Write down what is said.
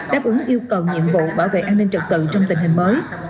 đáp ứng yêu cầu nhiệm vụ bảo vệ an ninh trật tự trong tình hình mới